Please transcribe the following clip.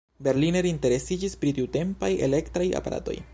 Berliner interesiĝis pri tiutempaj elektraj aparatoj.